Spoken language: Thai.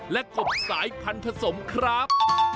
และกบสายพันธุ์ผสมครับ